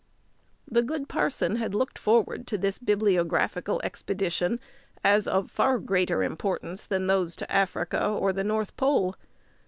The good parson had looked forward to this bibliographical expedition as of far greater importance than those to Africa, or the North Pole.